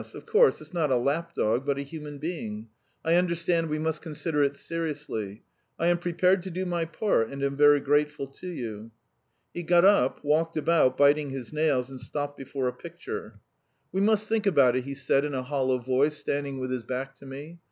Of course, it's not a lap dog, but a human being. I understand we must consider it seriously. I am prepared to do my part, and am very grateful to you." He got up, walked about, biting his nails, and stopped before a picture. "We must think about it," he said in a hollow voice, standing with his back to me.